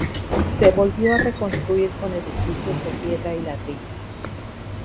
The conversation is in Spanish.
Se volvió a reconstruir con edificios de piedra y ladrillo.